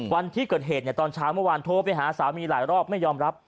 วันที่เกิดเหตุเนี่ยตอนเช้าเมื่อวานโทรไปหาสามีหลายรอบไม่ยอมรับ